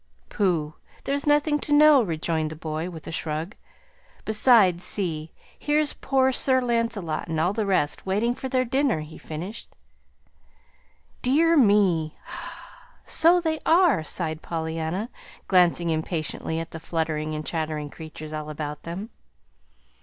"Pooh! there's nothing to know," rejoined the boy, with a shrug. "Besides, see, here's poor Sir Lancelot and all the rest, waiting for their dinner," he finished. "Dear me, so they are," sighed Pollyanna, glancing impatiently at the fluttering and chattering creatures all about them.